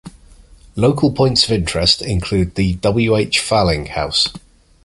Local points of interest include the W. H. Faling House.